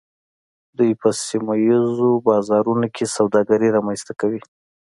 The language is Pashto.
دوی په سیمه ایزو بازارونو کې سوداګري رامنځته کوي